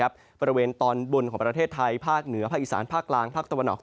บริเวณตอนบนของประเทศไทยภาคเหนือภาคอีสานภาคกลางภาคตะวันออก